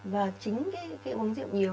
và chính cái uống rượu nhiều